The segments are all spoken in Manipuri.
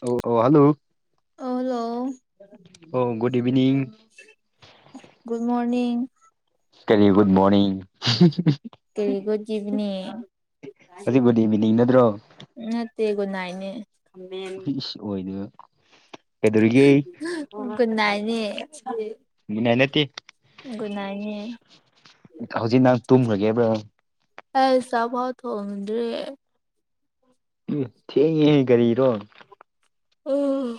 ꯑꯣ ꯍꯜꯂꯣ ꯑꯣ ꯍꯜꯂꯣ ꯑꯣ ꯒꯨꯗ ꯏꯚꯤꯅꯤꯡ ꯒꯨꯗ ꯃꯣꯔꯅꯤꯡ ꯀꯔꯤ ꯒꯨꯗ ꯃꯣꯅꯤꯡ ꯀꯔꯤ ꯒꯨꯗ ꯏꯚꯤꯅꯤꯡ ꯍꯧꯖꯤꯛ ꯒꯨꯗ ꯏꯚꯤꯅꯤꯡ ꯅꯠꯇ꯭ꯔꯣ ꯅꯠꯇꯦ ꯒꯨꯅꯥꯏꯗꯅꯦ ꯑꯣꯏꯗꯨ ꯒꯨꯅꯥꯢꯗꯅꯦ ꯃꯤꯅꯥꯏ ꯅꯠꯇꯦ ꯒꯨꯅꯥꯢꯅꯦ ꯍꯧꯖꯤꯛ ꯅꯪ ꯇꯨꯝꯒ꯭ꯔꯥꯒꯦꯕ꯭ꯔꯣ ꯑꯁ ꯆꯥ ꯕꯥꯎ ꯊꯣꯡꯗ꯭ꯔꯤ ꯎꯝ ꯊꯦꯡꯉꯦꯍꯦ ꯀꯔꯤꯔꯣ ꯑꯣ꯬꯬꯬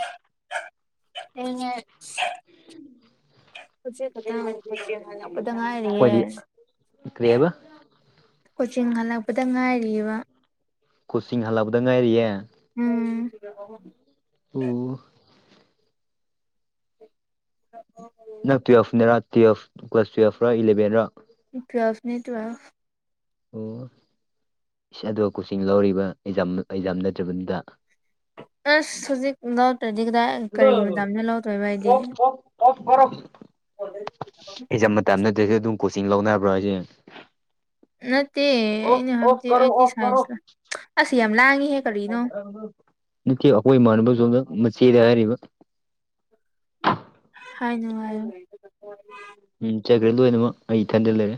ꯊꯦꯡꯉꯦ ꯍꯧꯖꯤꯛ ꯈꯇꯪ [unintelligible] ꯄꯗꯉꯥꯢꯔꯤꯌꯦ ꯑꯩꯈꯣꯏꯗꯤ ꯀꯔꯤꯕ ꯀꯣꯆꯤꯡ ꯍꯜꯂꯛꯄꯗ ꯉꯥꯏꯔꯤꯕ ꯀꯣꯆꯤꯡ ꯍꯜꯂꯛꯄꯗ ꯉꯥꯏꯔꯤꯌꯦ ꯎꯝ ꯑꯣ꯬꯬꯬꯬ [inaudible] ꯅꯪ ꯇꯨꯌꯦꯜꯐꯅꯦꯔꯥ ꯇꯨꯌꯦꯜꯐ ꯀ꯭ꯂꯥꯁ ꯇꯨꯌꯦꯜꯐꯔꯥ ꯏꯂꯦꯚꯦꯟꯔ ꯇ꯭ꯋꯦꯜꯐꯅꯦ ꯇ꯭ꯋꯦꯜꯐ ꯑꯣ ꯢꯁ ꯑꯗꯒ ꯀꯣꯆꯤꯡ ꯂꯧꯔꯤꯕ ꯑꯦꯛꯖꯥꯝ ꯑꯦꯛꯖꯥꯝ ꯅꯠꯇ꯭ꯔꯥꯕꯅꯤꯗ ꯑꯁ ꯍꯧꯖꯤꯛ ꯂꯧꯗ꯭ꯔꯗꯤ ꯀꯗꯥꯏ ꯀꯔꯤ ꯃꯇꯝꯅ ꯂꯧꯗꯣꯏꯕ ꯑꯩꯗꯤ ꯑꯦꯖꯝ ꯃꯇꯝ ꯅꯠꯇ꯭ꯔꯦꯖꯨ ꯑꯗꯨꯝ ꯀꯣꯆꯤꯡ ꯂꯧꯅꯕ꯭ꯔꯣ ꯍꯥꯢꯖꯦ ꯅꯠꯇꯦ ꯑꯩꯅ ꯑꯣꯐ ꯍꯥꯏꯕꯗꯤ ꯀꯔꯣ ꯑꯩꯗꯤ ꯑꯣꯐ ꯀꯔꯣ ꯁꯥꯏꯟꯁꯇ ꯑꯁ ꯌꯥꯝ ꯂꯥꯡꯉꯤꯍꯦ ꯀꯔꯤꯅꯣ [inaudible] ꯅꯠꯇꯦ ꯑꯈꯣꯏ ꯏꯃꯥꯟꯅꯕ ꯖꯣꯝꯗ ꯃꯆꯦꯗ ꯍꯥꯏꯔꯤꯕ ꯍꯥꯏꯅꯨ ꯍꯥꯢꯌꯣ ꯎꯝ ꯆꯠꯒ꯭ꯔꯦ ꯂꯣꯏꯅꯃꯛ ꯑꯩ ꯏꯊꯟꯗ ꯂꯩꯔꯦ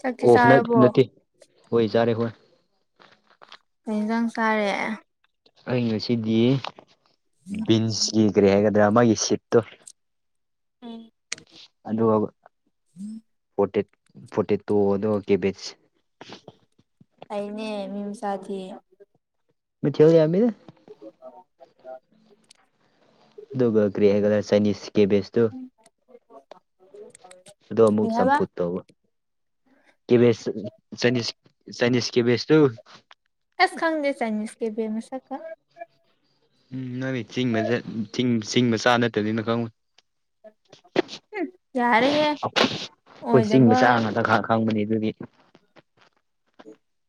ꯆꯥꯛꯇꯤ ꯑꯣꯐ ꯅꯠ ꯆꯥꯔꯕꯣ ꯅꯠꯇꯦ ꯍꯣꯢ ꯆꯥꯔꯦ ꯍꯣꯏ ꯀꯩ ꯏꯟꯖꯥꯡ ꯆꯥꯔꯦ ꯑꯩ ꯉꯁꯤꯗꯤ ꯕꯤꯟꯖꯒꯤ ꯀꯔꯤ ꯍꯥꯏꯒꯗ꯭ꯔꯥ ꯃꯥꯒꯤ ꯁꯤꯠꯇꯣ ꯎꯝ ꯑꯗꯨꯒ ꯐꯣꯔꯇꯦꯠ ꯄꯣꯇꯦꯇꯣ ꯑꯗꯨꯒ ꯀꯦꯕꯤꯖ ꯐꯩꯅꯦ ꯃꯤ ꯃꯆꯥꯗꯤ ꯃꯊꯦꯜ ꯌꯥꯝꯃꯤꯗ [inaudible] ꯑꯗꯨꯒ ꯀ꯭ꯔꯤ ꯍꯥꯢꯒꯦꯔꯥ ꯆꯥꯏꯅꯤꯁ ꯀꯦꯕꯦꯖ ꯇꯣ ꯑꯗꯣ ꯑꯃꯨꯛ ꯀꯩ ꯍꯥꯏꯕ ꯆꯝꯐꯨꯠ ꯇꯧꯕ ꯀꯦꯕꯦꯖ ꯆꯥꯢꯅꯤꯁ ꯆꯥꯢꯅꯤꯁ ꯀꯦꯕꯖꯇꯣ ꯑꯁ ꯈꯪꯗꯦ ꯆꯥꯏꯅꯤꯁ ꯀꯦꯕꯦ ꯃꯁꯛꯀ ꯎꯝ ꯅꯣꯢ ꯆꯤꯡ ꯃꯆꯥ ꯆꯤꯡ ꯃꯆꯥ ꯅꯠꯇꯝꯅꯤꯅ ꯈꯪꯉꯣꯢ ꯎꯝ ꯌꯥꯔꯦꯍꯦ ꯑꯩꯈꯣꯏ ꯆꯤꯡ ꯑꯣꯏꯗꯕ ꯃꯆꯥ ꯉꯥꯡꯇ ꯈꯪ [unintelligible] ꯑꯗꯨꯗꯤ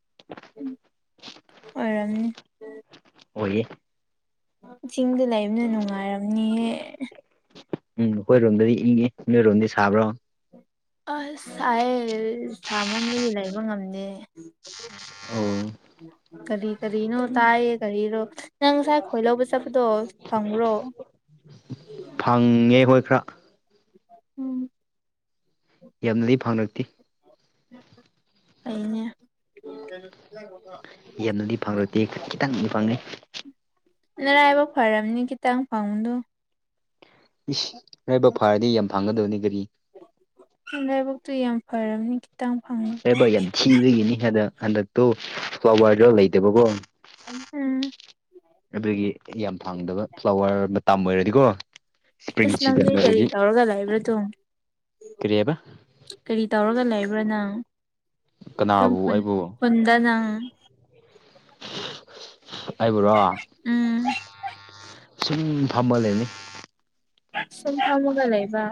[inaudible] ꯑꯣꯏꯔꯝꯅꯤ ꯑꯣꯏꯌꯦ ꯆꯤꯡꯗ ꯂꯩꯕꯝꯅꯤꯅ ꯅꯨꯡꯉꯥꯏꯔꯝꯅꯤꯌꯦ ꯎꯝ ꯑꯈꯣꯏꯔꯣꯝꯗꯗꯤ ꯏꯪꯉꯤ ꯅꯣꯏꯔꯣꯝꯗꯤ ꯁꯥꯕ꯭ꯔꯣ ꯑꯁ ꯁꯥꯏ ꯁꯥꯃꯟꯕꯒꯤ ꯂꯩꯕ ꯉꯝꯗꯦ꯫ ꯑꯣ ꯀꯔꯤ ꯀꯔꯤꯅꯣ ꯇꯥꯏꯌꯦ ꯀꯔꯤꯔꯣ ꯅꯪ ꯉꯁꯥꯏ ꯈꯣꯏ ꯂꯧꯕ ꯆꯠꯄꯗꯣ ꯐꯪꯕ꯭ꯔꯣ? ꯐꯪꯉꯦ ꯍꯣꯏ ꯈꯔ ꯎꯝ ꯌꯥꯝꯅꯗꯤ ꯐꯪꯔꯛꯇꯦ꯫ ꯑꯩꯅꯦ ꯌꯥꯝꯅꯗꯤ ꯐꯪꯔꯛꯇꯦ ꯈꯖꯤꯛ ꯈꯤꯇꯪꯗꯤ ꯐꯪꯉꯦ ꯅꯔꯥꯏꯕꯥꯛ ꯐꯔꯝꯅꯤ ꯈꯤꯇꯪ ꯐꯪꯕꯗꯣ ꯏꯁ ꯏꯔꯥꯏꯕꯛ ꯐꯔꯗꯤ ꯌꯥꯝ ꯐꯥꯡꯒꯗꯕꯅꯦ ꯒꯥꯔꯤ ꯅꯔꯥꯏꯕꯛꯇꯨ ꯌꯥꯝ ꯐꯔꯝꯅꯤ ꯈꯤꯇꯪ ꯐꯪꯕꯀꯣ [unintelligible] ꯌꯥꯝ ꯊꯤꯕꯒꯤꯅꯤ ꯑꯗꯣ ꯍꯟꯗꯛꯇꯣ ꯐ꯭ꯂꯋꯔꯗꯨ ꯂꯩꯇꯕꯀꯣ ꯎꯝ ꯑꯗꯨꯒꯤ ꯌꯥꯝ ꯐꯪꯗꯕ ꯐ꯭ꯂꯥꯋꯔ ꯃꯇꯝ ꯑꯣꯏꯔꯗꯤꯀꯣ ꯏꯁꯄ꯭ꯔꯤꯡ ꯏꯁ ꯅꯪꯗꯤ ꯁꯤꯖꯟ ꯀꯔꯤ ꯑꯣꯏꯔꯗꯤ ꯇꯧꯔꯒ ꯂꯩꯕ꯭ꯔꯥꯗꯨꯝ ꯀꯔꯤ ꯍꯥꯏꯕ ꯀꯔꯤ ꯇꯧꯔꯒ ꯂꯩꯕ꯭ꯔꯥ ꯅꯪ ꯑꯗꯨꯝ ꯀꯅꯥꯕꯨ ꯈꯨꯟ ꯑꯩꯕꯨ ꯈꯨꯟꯗ ꯅꯪ ꯑꯩꯕꯨꯔꯣ ꯎꯝ ꯁꯨꯝ ꯐꯝꯃ ꯂꯩꯅꯤ ꯁꯨꯝꯐꯝꯃꯒ ꯂꯩꯕ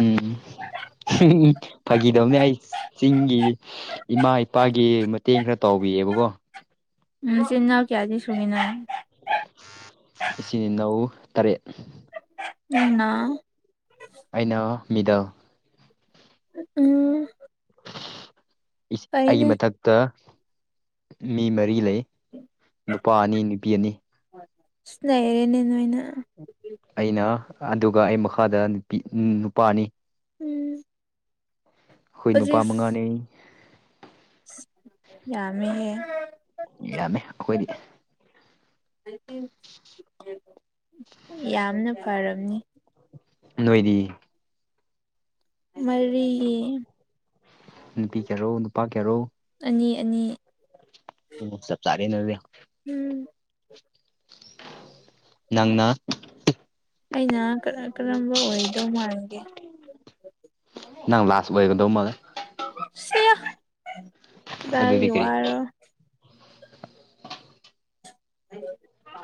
ꯎꯝ ꯐꯒꯤꯗꯧꯅꯦ ꯑꯩ ꯆꯤꯡꯒꯤ ꯏꯃꯥ ꯏꯄꯥꯒꯤ ꯃꯇꯦꯡ ꯈꯔ ꯇꯧꯕꯤꯌꯦꯕꯀꯣ꯫ ꯅꯆꯤꯟꯅꯥꯎ ꯀꯌꯥꯗꯤ ꯁꯨꯒꯦ ꯅꯪ? ꯏꯆꯤꯟ ꯏꯅꯥꯎ ꯇꯔꯦꯠ꯫ ꯅꯪꯅ ꯑꯩꯅ ꯃꯤꯗꯜ꯫ ꯎꯝ ꯏꯁ ꯑꯩꯒꯤ ꯐꯩꯅꯦ ꯃꯊꯛ ꯇ ꯃꯤ ꯃꯔꯤ ꯂꯩ ꯅꯨꯄꯥ ꯑꯅꯤ ꯅꯨꯄꯤ ꯑꯅꯤ꯫ ꯁꯅꯩꯔꯦꯅꯦ ꯅꯣꯏꯅ ꯑꯩꯅ ꯑꯗꯨꯒ ꯑꯩ ꯃꯈꯥꯗ ꯅꯨꯄꯤ ꯅꯨꯄꯥ ꯑꯅꯤ꯫ ꯎꯝ ꯈꯣꯏ ꯅꯨꯄꯥ ꯍꯧꯖꯤꯛ ꯃꯉꯥꯅꯦ꯫ ꯌꯥꯝꯃꯦꯍꯦ ꯌꯥꯝꯃꯦ ꯑꯈꯣꯏꯗꯤ ꯌꯥꯝꯅ ꯐꯔꯝꯅꯤ꯫ ꯅꯣꯏꯗꯤ ꯃꯔꯤ ꯅꯨꯄꯤ ꯀꯤꯌꯥꯔꯣ ꯅꯨꯄꯥ ꯀꯤꯌꯥꯔꯣ? ꯑꯅꯤ ꯑꯅꯤ ꯑꯣ ꯆꯞ ꯆꯥꯔꯦꯅꯦ ꯑꯗꯨꯗꯤ ꯎꯝ ꯅꯪꯅ ꯑꯩꯅ ꯀꯔꯥ ꯀꯔꯝꯕ ꯑꯣꯏꯗꯧ ꯃꯥꯥꯟꯒꯦ? ꯅꯪ ꯂꯥꯁ ꯑꯣꯏꯒꯗꯧ ꯃꯥꯜꯂꯦ꯫ ꯁꯤꯌ ꯑꯗꯨꯗꯤ ꯀꯗꯥꯏꯗꯒꯤ ꯀꯔꯤ ꯋꯥꯔꯣ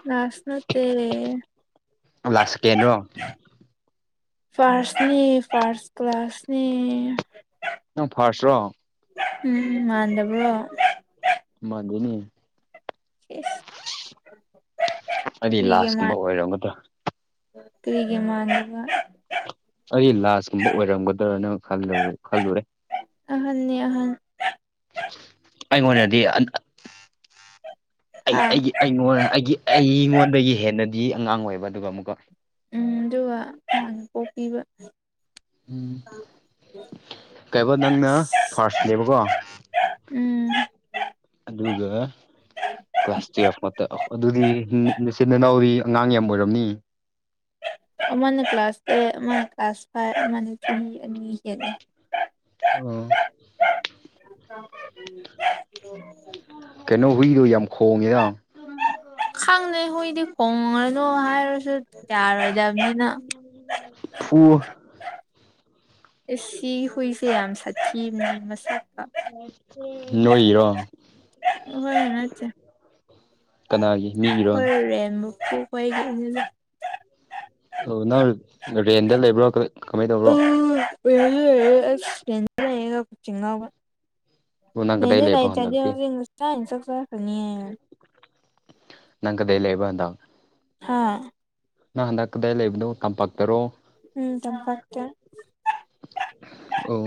ꯂꯥꯁ ꯅꯠꯇꯦ ꯂꯥꯛꯁ ꯁꯦꯀꯦꯟ꯭ꯔꯣ ꯐꯥꯔꯁꯅꯤ ꯐꯥꯔꯁ ꯀ꯭ꯂꯥꯁꯅꯤ ꯅꯪ ꯐꯥꯔꯁ꯭ꯔꯣ ꯎꯝ ꯃꯥꯟꯗꯕ꯭ꯔꯣ ꯃꯥꯥꯟꯗꯦꯅꯦ [unintelligible] ꯍꯥꯏꯗꯤ ꯀꯔꯤꯒꯤ ꯂꯥꯁꯀꯨꯝꯕ ꯃꯥꯟ ꯑꯣꯏꯔꯝꯒꯗ꯭ꯔꯥ ꯀꯔꯤꯒꯤ ꯃꯥꯥꯟꯗꯕ ꯑꯩ ꯂꯥꯁꯀꯨꯝꯕ ꯑꯣꯏꯔꯝꯒꯗ꯭ꯔꯅ ꯈꯜꯂꯨ ꯈꯜꯂꯨꯔꯦ ꯑꯍꯟꯅꯦ ꯑꯍꯟ ꯑꯩꯉꯣꯟꯗꯗꯤ ꯑꯩ ꯍꯥ ꯑꯩꯒꯤ ꯑꯩꯉꯣꯟ ꯑꯩꯒꯤ ꯑꯩꯉꯣꯟꯗꯒꯤ ꯍꯦꯟꯅꯗꯤ ꯑꯉꯥꯡ ꯑꯣꯏꯕ ꯑꯗꯨꯒ ꯑꯃꯨꯛꯀ ꯎꯝ ꯑꯗꯨꯒ [unintelligible] ꯄꯣꯛꯄꯤꯕ ꯎꯝ ꯀꯩꯕꯥ ꯅꯪꯅ ꯐꯥꯔꯁꯅꯦꯕꯀꯣ ꯎꯝ ꯑꯗꯨꯒ ꯀ꯭ꯂꯥꯁ ꯇꯨꯌꯦꯜꯐꯉꯥꯛꯇ ꯑꯗꯨꯗꯤ ꯅꯆꯤꯟ ꯅꯅꯥꯎꯗꯤ ꯑꯉꯥꯡ ꯌꯥꯝ ꯑꯣꯏꯔꯝꯅꯤ ꯑꯃꯅꯥ ꯀ꯭ꯂꯥꯁ ꯑꯦꯠ ꯑꯃꯅꯥ ꯀ꯭ꯂꯥꯁ ꯐꯥꯏꯚ ꯑꯃꯅ ꯆꯍꯤ ꯑꯅꯤ ꯍꯦꯜꯂꯦ ꯑꯣ [unintelligible] ꯀꯩꯅꯣ ꯍꯨꯏꯔꯣ ꯌꯥꯝ ꯈꯣꯡꯉꯤꯗ ꯈꯪꯗꯦ ꯍꯨꯏꯗꯤ ꯈꯣꯡꯉꯅꯨ ꯍꯥꯏꯔꯁꯨ ꯌꯥꯔꯣꯏꯗꯝꯅꯤꯅ ꯐꯨ ꯑꯦ ꯁꯤ ꯍꯨꯏꯁꯦ ꯌꯥꯝ ꯁꯥꯊꯤꯕꯅꯦ ꯃꯁꯛ ꯅꯣꯏꯒꯤꯔꯣ ꯑꯩꯈꯣꯏꯒꯤ ꯅꯠꯇꯦ ꯀꯅꯥꯒꯤ ꯃꯤꯒꯤ ꯑꯩꯈꯣꯏ ꯔꯦꯟ ꯃꯄꯨ ꯈꯣꯏꯒꯤꯅꯤꯗ ꯑꯣ ꯅꯪ ꯔꯦꯟꯗ ꯂꯩꯕ꯭ꯔꯣ ꯀꯔꯤ ꯀꯃꯥꯏ ꯇꯧꯕ꯭ꯔꯣ [unintelligible] ꯑꯣ ꯅꯪ ꯀꯗꯥꯏ ꯔꯦꯟꯗ ꯂꯩꯕ ꯍꯟꯗꯛꯇꯤ ꯂꯩꯇꯔꯗꯤ ꯉꯁꯥꯏꯟ ꯆꯥꯛꯆꯥꯈ꯭ꯔꯅꯤꯌꯦ ꯅꯪ ꯀꯗꯥꯏ ꯂꯩꯕ ꯑꯗꯣ ꯍꯥꯥ ꯅꯪ ꯍꯟꯗꯛ ꯀꯗꯥꯏ ꯂꯩꯕꯅꯣ ꯇꯝꯄꯥꯛꯇꯔꯣ ꯎꯝ ꯇꯝꯄꯥꯛꯇꯥ ꯑꯣ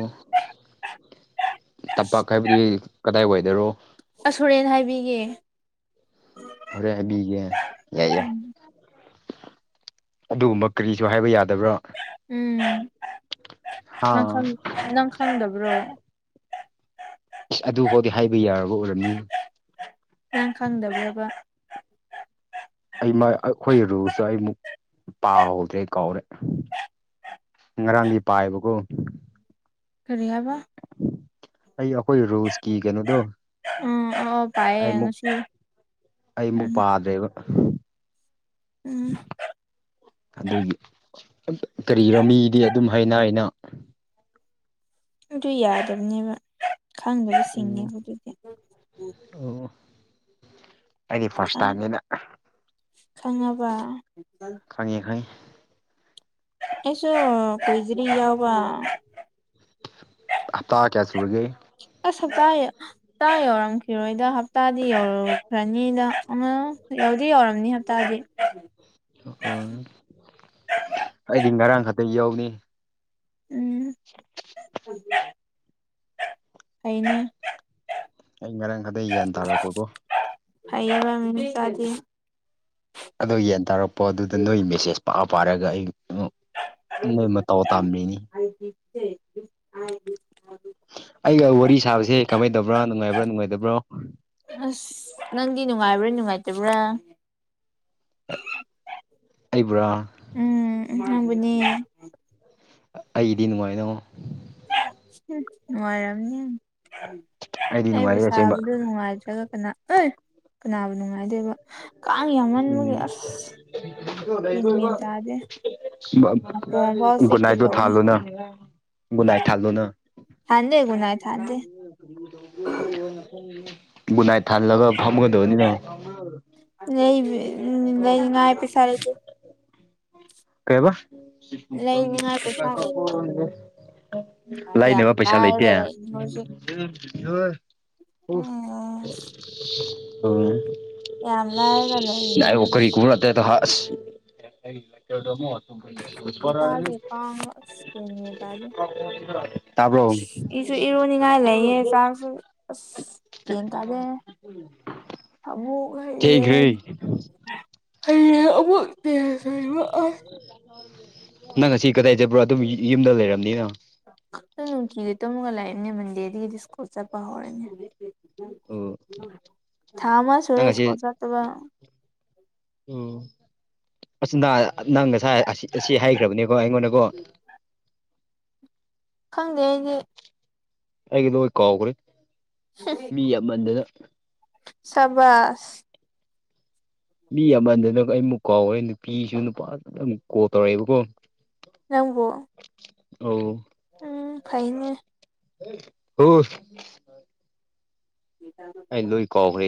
ꯇꯝꯄꯥꯛ ꯍꯥꯏꯕꯗꯤ ꯀꯗꯥꯏ ꯋꯥꯏꯗꯔꯣ ꯑꯁ ꯍꯣꯔꯦꯟ ꯍꯥꯏꯕꯤꯒꯦ ꯍꯣꯔꯦꯟ ꯍꯥꯏꯕꯤꯒꯦ ꯌꯥꯏ ꯌꯥꯏ ꯑꯗꯨꯒꯨꯝꯕ ꯀꯔꯤꯁꯨ ꯍꯥꯏꯕ ꯌꯥꯗꯕ꯭ꯔꯣ ꯎꯝ ꯅꯪ ꯍꯥꯥ ꯈꯪ ꯅꯪ ꯈꯪꯗꯕ꯭ꯔꯣ ꯑꯁ ꯑꯗꯨ ꯐꯥꯎꯗꯤ ꯍꯥꯏꯕ ꯌꯥꯔꯕ ꯑꯣꯏꯔꯝꯅꯤ ꯅꯪ ꯈꯪꯗꯕ꯭ꯔꯥꯕ ꯑꯩꯃ ꯑꯩꯈꯣꯏ ꯔꯨꯜꯁꯇꯣ ꯑꯩꯃꯨꯛ ꯄꯥꯍꯧꯗ꯭ꯔꯦ ꯀꯥꯎꯔꯦ ꯉꯔꯥꯡꯗꯤ ꯄꯥꯏꯌꯦꯕꯀꯣ ꯀꯔꯤ ꯍꯥꯏꯕ ꯑꯩ ꯑꯩꯈꯣꯏ ꯔꯨꯜꯁ ꯀꯤ ꯀꯩꯅꯣꯗꯣ ꯎꯝ ꯑꯣ ꯄꯥꯏꯌꯦ ꯑꯩꯃꯨꯛ ꯉꯁꯤ ꯑꯩꯃꯨꯛ ꯎꯝ ꯄꯥꯗ꯭ꯔꯦꯕ ꯎꯝ ꯑꯗꯨꯒꯤ ꯀꯔꯤꯔꯣ ꯃꯤꯗꯤ ꯑꯗꯨꯝ ꯍꯥꯏꯅꯩꯅ ꯑꯗꯨ ꯌꯥꯗꯕꯅꯦꯕ ꯈꯪꯗꯕ ꯁꯤꯡꯉꯦ ꯑꯣ ꯑꯗꯨꯗꯤ ꯑꯣ ꯑꯩꯗꯤ ꯐꯥꯔꯁ ꯈꯪ ꯇꯥꯏꯝꯅꯤꯅ ꯈꯪꯉꯕ ꯈꯪꯉꯦ ꯈꯪꯉꯦ ꯑꯁꯨ ꯀꯨꯏꯗꯔꯤ ꯌꯥꯎꯕ ꯍꯞꯇꯥ ꯀꯌꯥ ꯁꯨꯔꯒꯦ ꯑꯁ ꯍꯞꯇꯌꯦ ꯍꯞꯇꯥ ꯌꯧꯔꯝꯈꯤꯔꯣꯏꯗ ꯍꯞꯇꯥꯗꯤ ꯌꯧꯈ꯭ꯔꯅꯤꯗ ꯑꯃ ꯌꯧꯗꯤ ꯌꯧꯔꯝꯅꯤ ꯍꯞꯇꯗꯤ ꯑꯣ ꯑꯩꯗꯤ ꯉꯔꯥꯡ ꯈꯛꯇꯪ ꯌꯥꯎꯅꯤ ꯎꯝ ꯐꯩꯅꯦ ꯑꯩ ꯉꯔꯥꯡ ꯈꯛꯇ ꯒꯤꯌ꯭ꯟ ꯇꯥꯔꯛꯄꯀꯣ ꯐꯩꯌꯦꯕ ꯌꯥꯝ ꯃꯤ ꯃꯆꯥꯗꯤ ꯑꯗꯣ ꯌꯦꯟ ꯇꯥꯔꯛꯄꯗꯨꯗ ꯑꯗꯨꯗ ꯅꯣꯏ ꯃꯦꯁꯦꯖ ꯄꯥ ꯄꯥꯔꯒ ꯑꯩ ꯅꯣꯛ [unintelligible] ꯑꯩꯒ ꯋꯥꯔꯤ ꯁꯥꯕꯁꯦ ꯀꯃꯥꯏ ꯇꯧꯕ꯭ꯔꯥ ꯅꯨꯡꯉꯥꯏꯕ꯭ꯔꯥ ꯅꯨꯡꯉꯥꯏꯇꯕ꯭ꯔꯣ ꯑꯁ ꯅꯪꯗꯤ ꯅꯨꯡꯉꯥꯏꯕ꯭ꯔꯥ ꯅꯨꯡꯉꯥꯏꯇꯕ꯭ꯔꯥ ꯑꯩꯕꯨꯔꯣ ꯎꯝ ꯅꯪꯕꯨꯅꯦ ꯑꯩꯗꯤ ꯅꯨꯡꯉꯥꯏ ꯅꯉꯣ ꯍꯝ ꯅꯨꯡꯉꯥꯏꯔꯝꯅꯤ ꯑꯩꯗꯤ ꯑꯩꯕꯨ ꯅꯨꯡꯉꯥꯏꯌꯦ ꯑꯁꯦꯡꯕ ꯁꯥꯕꯗ ꯅꯨꯡꯉꯥꯏꯇ꯭ꯔꯒ ꯀꯅꯥ ꯑꯩ ꯀꯅꯥꯕꯨ ꯅꯨꯡꯉꯥꯏꯗꯣꯏꯕ ꯀꯥꯡ ꯌꯥꯝꯃꯟꯕꯒꯤ ꯑꯁ ꯃꯦꯟ ꯇꯥꯗꯦ ꯅꯥꯀꯣꯡ ꯐꯥꯎ ꯆꯤꯛꯀꯦ ꯒꯨꯠꯅꯥꯏꯠꯇꯣ ꯇꯧꯋꯦ ꯊꯥꯜꯂꯨꯅ ꯒꯨꯟꯅꯥꯏ ꯊꯥꯜꯂꯨꯅ ꯊꯥꯟꯗꯦ ꯒꯨꯠꯅꯥꯏꯠ ꯊꯥꯟꯗꯦ ꯨꯒꯨꯠꯅꯥꯏꯠ ꯊꯥꯜꯂꯒ ꯐꯝꯒꯗꯧꯅꯤꯅ ꯂꯩꯕꯤ ꯂꯩꯅꯤꯉꯥꯏ ꯄꯩꯁꯥ ꯂꯩꯇꯦ ꯀꯩꯕ ꯂꯩꯅꯤꯡꯉꯥꯏ ꯄꯩꯁꯥ ꯂꯩꯇꯦ ꯌꯥꯝ ꯂꯩꯥꯅꯕ ꯄꯩꯁꯥ ꯂꯩꯇꯦ ꯂꯥꯏꯔꯒ ꯂꯩ ꯍꯧꯖꯤꯛ ꯎꯝ ꯌꯥꯝ [unintelligible] ꯂꯥꯏꯔꯒ ꯂꯩꯔꯤꯅꯦ ꯍꯥꯏꯕ [unintelligible] ꯈꯨꯠꯄꯥꯛꯀꯤ ꯀꯥꯡꯗꯣ ꯑꯁ ꯒ꯭ꯌꯥꯟ ꯃꯦꯟ ꯇꯥꯗꯦ [unintelligible] ꯇꯥꯕ꯭ꯔꯣ ꯏꯁꯨ ꯏꯔꯨꯅꯤꯡꯉꯥꯏ ꯂꯩꯌꯦ ꯆꯥꯛꯁꯨ ꯑꯁ ꯒ꯭ꯌꯥꯟ ꯇꯥꯗꯦ [unintelligible] ꯑꯃꯨꯛ ꯊꯦꯡꯈ꯭ꯔꯦ ꯍꯌꯦꯡ ꯍꯌꯦꯡ ꯑꯃꯨꯛ ꯇꯦꯖ ꯍꯥꯏꯕ ꯑꯁ ꯅꯪ ꯉꯁꯤ ꯀꯗꯥꯏ ꯆꯠꯄ꯭ꯔꯣ ꯑꯗꯨꯝ ꯌꯨꯝꯗ ꯂꯩꯔꯝꯅꯤꯀꯣ ꯑꯩ ꯅꯨꯡꯇꯤꯒꯤ ꯇꯨꯝꯃꯒ ꯂꯩꯕꯅꯦ ꯃꯟꯗꯦꯗꯒꯤꯗꯤ ꯁ꯭ꯀꯨꯜ ꯆꯠꯄ ꯍꯧꯔꯅꯤ ꯑꯣ ꯊꯥ ꯑꯃ ꯅꯪ ꯁꯨꯔꯦ ꯉꯁꯤ ꯁ꯭ꯀꯨꯜ ꯆꯠꯇꯕ ꯎꯝ ꯑꯁ ꯅꯪ ꯉꯁꯥꯏ ꯑꯁꯤ ꯍꯥꯏꯈ꯭ꯔꯕꯅꯦꯀꯣ ꯑꯩꯉꯣꯟꯗꯀꯣ ꯈꯪꯗꯦ ꯑꯩꯗꯤ ꯑꯩꯒꯤꯗ ꯂꯣꯏ ꯀꯥꯎꯈ꯭ꯔꯦ ꯃꯤ ꯋꯥꯝꯃꯟꯗꯅ ꯁꯕꯥꯁ ꯃꯤ ꯋꯥꯃꯟꯗꯅ ꯑꯩꯃꯨꯛ ꯀꯥꯎꯈꯋꯦ ꯅꯨꯄꯤꯁꯨ ꯅꯨꯄꯥꯁꯨ ꯑꯃꯨꯛ ꯀꯣꯜ ꯇꯧꯔꯛꯑꯦꯕꯀꯣ ꯅꯪꯕꯨ ꯑꯣ ꯎꯝ ꯐꯩꯅꯦ [unintelligible] [inaudible] ꯑꯩ ꯂꯣꯏ ꯀꯥꯎꯈ꯭ꯔꯦ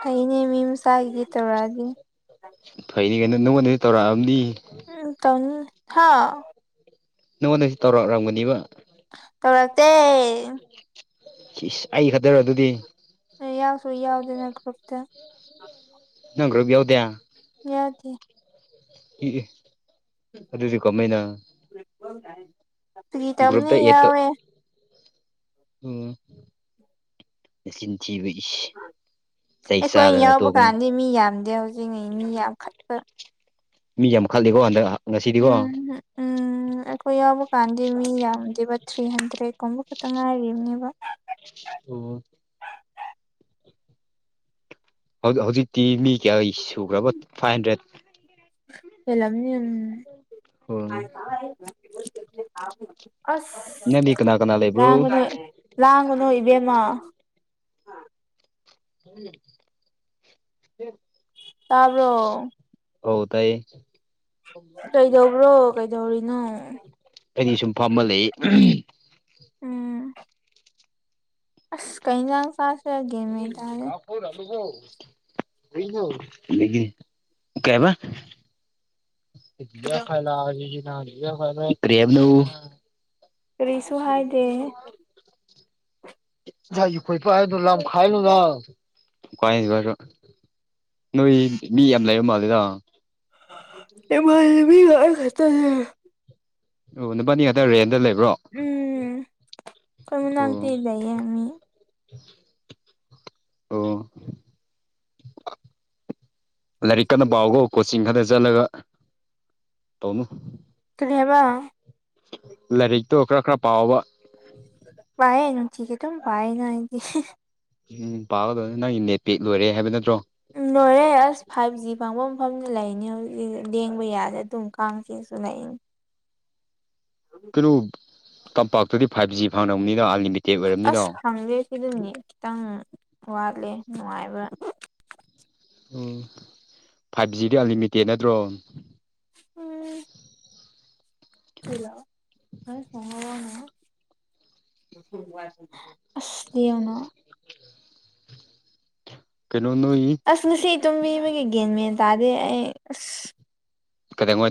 ꯐꯩꯅꯦ ꯃꯤ ꯃꯁꯥꯒꯤꯗꯤ ꯇꯧꯔꯛꯑꯗꯤ ꯐꯩꯅꯦ ꯀꯥꯅ ꯅꯪꯉꯣꯟꯗꯗꯤ ꯇꯧꯔꯛꯑꯝꯅꯤ ꯎꯝ ꯇꯧꯅꯤ ꯍꯥ ꯅꯪꯉꯣꯟꯗꯁꯨ ꯇꯧꯔꯛꯔꯝꯒꯅꯤꯕ ꯇꯧꯔꯛꯇꯦ ꯁꯤꯁ ꯑꯩ ꯈꯛꯇꯔꯣ ꯑꯗꯨꯗꯤ ꯑꯩ ꯌꯥꯎꯁꯨ ꯌꯥꯎꯗꯅ ꯀꯧꯔꯛꯇꯦ ꯅꯪ ꯒ꯭ꯔꯨꯞ ꯌꯥꯎꯗꯦ ꯌꯥꯎꯗꯦ ꯑꯦꯑꯦ ꯑꯗꯨꯗꯤ ꯀꯃꯥꯏꯅ [inaudible] ꯐꯥꯒꯤ ꯇꯧꯕꯅꯦ ꯒ꯭ꯔꯨꯞꯇ ꯑꯦꯠꯇ ꯌꯥꯎꯋꯦ ꯎꯝ ꯅꯆꯤꯟ ꯊꯤꯕ ꯏꯁ ꯆꯩ ꯑꯩꯈꯣꯏ ꯆꯥꯗꯅ ꯌꯥꯎꯕ ꯇꯣꯛꯀꯅꯤ ꯀꯥꯟꯗꯤ ꯃꯤ ꯌꯥꯝꯗꯦ ꯍꯧꯖꯤꯛꯅ ꯃꯤ ꯌꯥꯝꯈꯠꯄ ꯃꯤ ꯋꯥꯝꯈꯠꯂꯤꯀꯣ ꯍꯟꯗꯛ ꯉꯁꯤꯗꯤꯀꯣ ꯎꯝ ꯎꯝ ꯑꯩꯈꯣꯏ ꯌꯥꯎꯕ ꯀꯥꯟꯗꯤ ꯃꯤ ꯌꯥꯝꯗꯦꯕ ꯊ꯭ꯔꯤ ꯍꯟꯗ꯭ꯔꯦꯠꯗꯀꯨꯝꯕ ꯈꯛꯇ ꯉꯥꯏꯔꯤꯕꯅꯦꯕ ꯑꯣ ꯍꯧ ꯍꯧꯖꯤꯛꯇꯤ ꯃꯤ ꯀꯌꯥ ꯁꯨꯈ꯭ꯔꯕ ꯐꯥꯏꯚ ꯍꯟꯗ꯭ꯔꯦꯠ ꯍꯦꯟꯂꯝꯅꯤ ꯎꯝ ꯑꯣ ꯑꯁ ꯅꯪꯗꯤ ꯀꯅꯥ ꯀꯅꯥ ꯂꯩꯕ꯭ꯔꯣ ꯂꯥꯡꯒꯅꯨ ꯂꯥꯡꯒꯅꯣ ꯏꯕꯦꯝꯃ [unintelligible] ꯇꯥꯕꯔꯣ ꯍꯧ ꯇꯥꯏ ꯀꯩꯗꯧꯕ꯭ꯔꯣ ꯀꯩꯗꯧꯔꯤꯅꯣ ꯑꯩꯅꯤ ꯁꯨꯝ ꯐꯝꯕ ꯂꯩ ꯎꯝ ꯑꯁ ꯀꯩꯖꯥꯡ ꯆꯥ [unintelligible] ꯂꯩꯒꯤ ꯀꯩꯕ ꯀ꯭ꯔꯤ ꯍꯥꯏꯕꯅꯣ ꯀꯔꯤꯁꯨ ꯍꯥꯏꯗꯦ [unintelligible] ꯅꯣꯏ ꯃꯤ ꯌꯥꯝ ꯂꯩꯕ ꯃꯥꯜꯂꯤꯗ ꯏꯃꯥꯟꯅꯕꯤꯗ ꯑꯩ ꯈꯛꯇꯅꯤ ꯑꯣ ꯅꯕꯥꯟꯅꯤ ꯑꯗꯥ ꯔꯦꯟꯗ ꯂꯩꯕ꯭ꯔꯣ ꯎꯝ ꯑꯩꯈꯣꯏ ꯃꯅꯥꯛꯇꯤ ꯑꯣ ꯂꯩꯏꯌꯦ ꯃꯤ ꯑꯣ ꯂꯥꯏꯔꯤꯛ ꯀꯟꯅ ꯄꯥꯈꯣ ꯀꯣꯆꯤꯡ ꯈꯛꯇ ꯆꯠꯂꯒ ꯇꯧꯅꯨ ꯀꯔꯤ ꯍꯥꯏꯕ ꯂꯥꯏꯔꯤꯛꯇꯣ ꯈꯔ ꯈꯔ ꯄꯥꯎꯕ ꯄꯥꯌꯦ ꯅꯨꯡꯇꯤꯒꯤ ꯑꯗꯨꯝ ꯄꯥꯌꯦꯅ ꯑꯩꯗꯤ ꯎꯝ ꯄꯥꯒꯗꯧꯅꯤ ꯅꯪꯒꯤ ꯅꯦꯠ ꯄꯦꯛ ꯂꯣꯏꯔꯦ ꯍꯥꯏꯕ ꯅꯠꯇ꯭ꯔꯣ ꯎꯝ ꯂꯣꯏꯔꯦ ꯑꯁ ꯐꯥꯏꯚ ꯖꯤ ꯐꯪꯕ ꯃꯐꯝꯗ ꯂꯩꯅꯤ ꯍꯧꯖꯤꯛ ꯂꯦꯡꯕ ꯌꯥꯁꯦ ꯑꯗꯨꯝ ꯀꯥꯡꯁꯦ ꯆꯤꯛꯑꯦ [unintelligible] ꯀꯩꯅꯣ ꯇꯝꯄꯥꯛꯇꯗꯤ ꯐꯥꯏꯚ ꯖꯤ ꯐꯪꯅꯕꯅꯤꯅ ꯑꯟꯂꯤꯃꯤꯠ ꯑꯁ ꯐꯪꯗꯦ ꯁꯤꯗ ꯅꯦꯠ ꯈꯤꯇꯪ ꯋꯥꯠꯂꯦ ꯅꯨꯡꯉꯥꯏꯕ ꯎꯝ ꯐꯥꯏꯚ ꯖꯤꯗꯨ ꯑꯟꯂꯤꯃꯤꯇꯦꯠ ꯅꯠꯇ꯭ꯔꯣ ꯑꯥ [unintelligible] ꯑꯁ ꯂꯦꯡꯅꯣ ꯀꯩꯅꯣꯝꯅꯤ ꯑꯁ ꯉꯁꯤ ꯇꯨꯝꯃꯤ ꯃꯥꯒꯤ ꯒ꯭ꯌꯥꯟ ꯃꯦꯟ ꯇꯥꯗꯦ ꯑꯩ ꯑꯁ ꯀꯩꯗꯧꯉꯩ